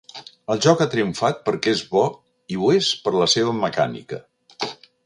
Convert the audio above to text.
El joc ha triomfat perquè és bo i ho és per la seva mecànica.